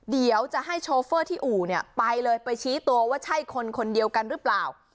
เดี๋ยวจะให้โชเฟอร์ที่อู่เนี่ยไปเลยไปชี้ตัวว่าใช่คนคนเดียวกันหรือเปล่า